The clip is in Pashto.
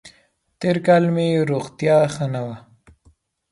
تېر کال مې روغتیا ښه نه وه.